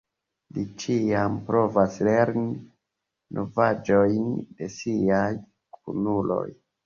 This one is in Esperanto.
Li ĉiam provas lerni novaĵojn de siaj kunuloj.